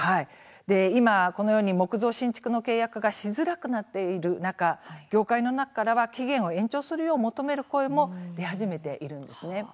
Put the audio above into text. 今、このように木造新築の契約がしづらくなっている中業界の中からは期限を延長するよう求める声も出始めているんです。